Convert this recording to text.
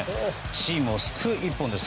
チームを救う１本です。